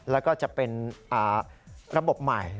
แล้วก็จะเป็นระบบใหม่